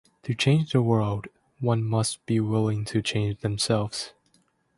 To change the world, one must be willing to change themselves.